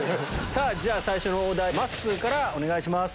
じゃあ最初のオーダーまっすーからお願いします。